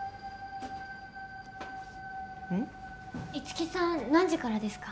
樹さん何時からですか？